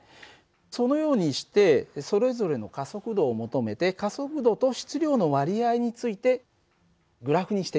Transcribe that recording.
そのようにしてそれぞれの加速度を求めて加速度と質量の割合についてグラフにしてみよう。